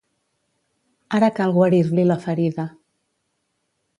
Ara cal guarir-li la ferida.